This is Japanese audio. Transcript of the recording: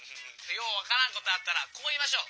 よう分からんことあったらこう言いましょう。